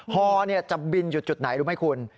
ฮอจะบินอยู่จุดไหนรู้ไหมคุณ